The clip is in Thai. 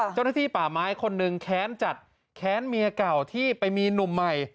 เจ้าหน้าที่ป่าไม้คนหนึ่งแค้นจัดแค้นเมียเก่าที่ไปมีหนุ่มใหม่